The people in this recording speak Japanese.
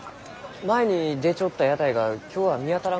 前に出ちょった屋台が今日は見当たらんがです